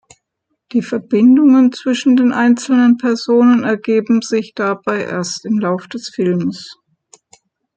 Die Verbindungen zwischen den einzelnen Personen ergeben sich dabei erst im Laufe des Films.